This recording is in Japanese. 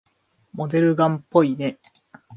モデルガンっぽいね。